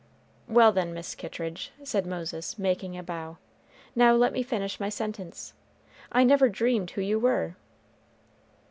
"Well, then, Miss Kittridge," said Moses, making a bow; "now let me finish my sentence. I never dreamed who you were."